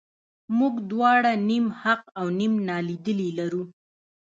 موږ دواړه نیم حق او نیم نالیدلي لرو.